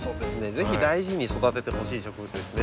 ぜひ大事に育ててほしい植物ですね。